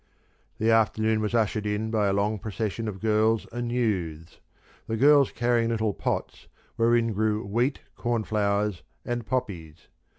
The afternoon was ushered in by a long procession of girls and youths: the girls carrying little pots wherein grew wheat, cornflowers and poppies.